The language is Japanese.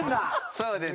そうです。